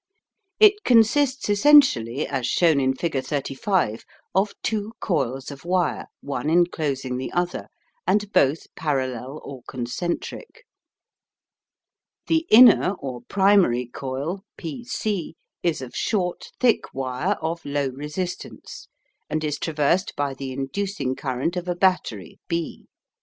It consists essentially, as shown in figure 35, of two coils of wire, one enclosing the other, and both parallel or concentric. The inner or primary coil P C is of short thick wire of low resistance, and is traversed by the inducing current of a battery B.